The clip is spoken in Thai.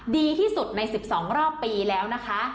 ดีที่สุดในสิบสองรอบปีแล้วนะคะ